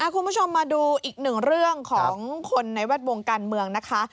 คุณผู้ชมมาดูอีกหนึ่งเรื่องของคนในแวดวงการเมืองนะคะ